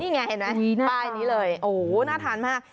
นี่ไงเห็นไหมป้ายนี้เลยโอ้โหน่าทานมาก